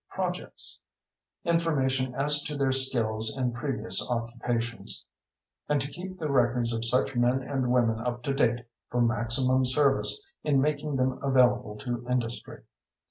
Projects information as to their skills and previous occupations and to keep the records of such men and women up to date for maximum service in making them available to industry.